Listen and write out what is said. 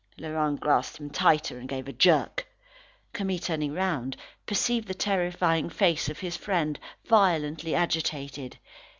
Laurent grasped him tighter, and gave a jerk. Camille turning round, perceived the terrifying face of his friend, violently agitated.